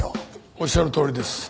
おっしゃるとおりです。